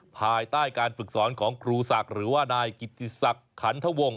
ภายใต้การฝึกสอนของครูศักดิ์หรือว่านายกิติศักดิ์ขันทวง